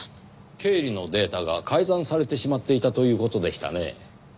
経理のデータが改ざんされてしまっていたという事でしたね。